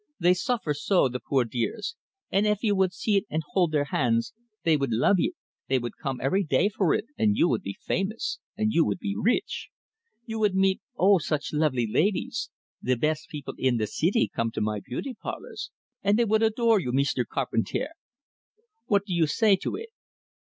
They suffer so, the poor dears, and eef you would seet and hold their hands, they would love eet, they would come every day for eet, and you would be famous, and you would be reech. You would meet oh, such lovely ladies! The best people in the ceety come to my beauty parlors, and they would adore you, Meester Carpentair what do you say to eet?"